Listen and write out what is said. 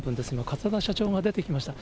桂田社長が出てきました。